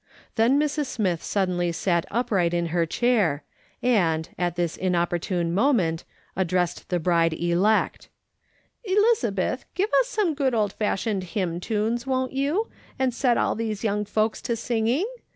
Tlien Mrs. Smith suddenly sat upright in her chair, and, at this inop portune moment, addressed the bride elect :" Elizabeth, give us some good old fashioned hymn tunes, won't you, and set all these young folks to singing